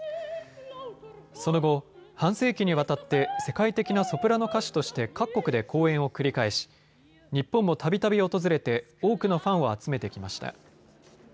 その後、半世紀にわたって世界的なソプラノ歌手として各国で公演を繰り返し、日本もたびたび訪れて多くのファンを集めてきました。